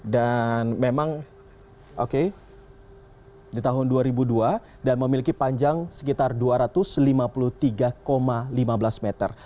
dan memang di tahun dua ribu dua dan memiliki panjang sekitar dua ratus lima puluh tiga lima belas meter